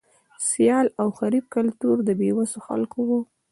سیال او حریف کلتور د بې وسو خلکو و.